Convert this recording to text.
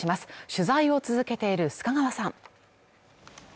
取材を続けている須賀川さん